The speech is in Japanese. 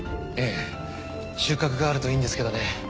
えぇ収穫があるといいんですけどね。